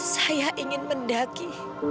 saya ingin mendaki